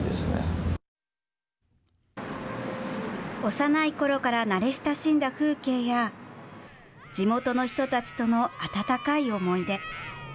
幼いころから慣れ親しんだ風景や地元の人たちとの温かい思い出。